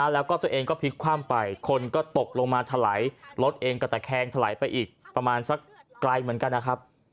แล้วก็ตัวเองก็พลิกคว่ำไปคนก็ตกลงมาถลายรถเองก็ตะแคงถลายไปอีกประมาณสักไกลเหมือนกันนะครับ